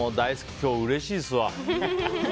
今日うれしいですわ。